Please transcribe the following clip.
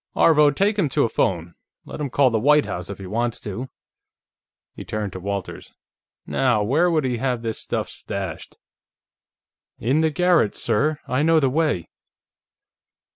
"Aarvo, take him to a phone; let him call the White House if he wants to." He turned to Walters. "Now, where would he have this stuff stashed?" "In the garret, sir. I know the way."